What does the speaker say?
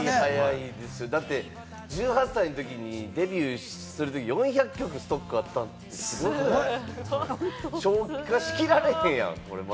だって１８歳のとき、デビューするときに４００曲もストックがあったんですよ、消化しきられへんやん。